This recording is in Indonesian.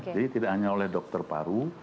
jadi tidak hanya oleh dokter paru